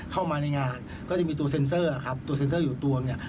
เข้ามาในงานก็จะมีตัวเซ็นเซอร์ครับตัวเซ็นเซอร์อยู่ตวงเนี่ย